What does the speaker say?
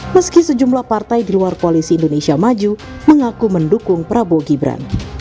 meski sejumlah partai di luar koalisi indonesia maju mengaku mendukung prabowo gibran